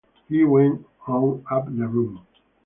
He went on up the room.